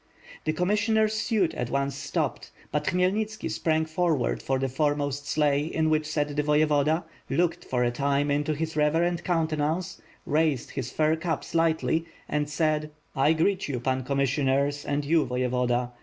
The commissioners' suite at once stopped; but Khmyelnitski sprang forward to the fore most sleigh in which sat the Voyevoda, looked for a time into his reverend countenance, raised his fur cap slightly, and said: "I greet you, Pan Commissioners, and you, Voyevoda.